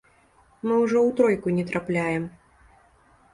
Мы ўжо ў тройку не трапляем.